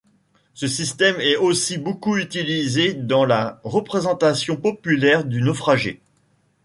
Ce système est aussi beaucoup utilisé dans la représentation populaire du naufragé.